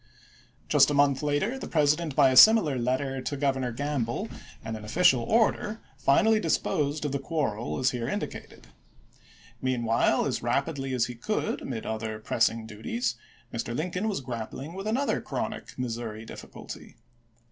Just a month later, the President by a similar letter to Governor Gamble, and an official order, finally disposed of the quarrel as here indicated. Meanwhile, as rapidly as he could amid other press ing duties, Mr. Lincoln was grappling with another chronic Missouri difficulty.